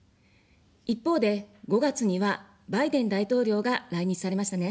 一方で、５月にはバイデン大統領が来日されましたね。